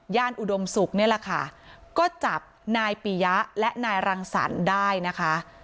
ย่านอุดมสุขนี่ล่ะค่ะก็จับนายปียะและนายรังสรรได้นะคะ